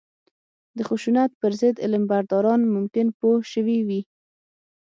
د خشونت پر ضد علمبرداران ممکن پوه شوي وي